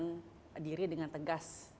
yang menyatakan diri dengan tegas